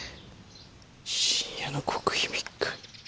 「深夜の極秘密会」。